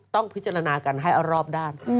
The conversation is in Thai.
ต้องพิจารณากันให้เอารอบด้าน